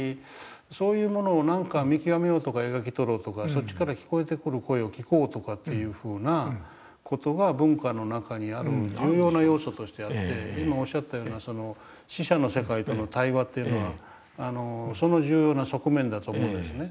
そっちから聞こえてくる声を聞こうとかっていうふうな事が文化の中にある重要な要素としてあって今おっしゃったような死者の世界との対話というのはその重要な側面だと思うんですね。